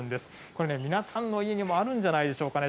これね、皆さんの家にもあるんじゃないでしょうかね。